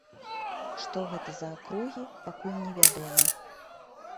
Што гэта за акругі, пакуль невядома.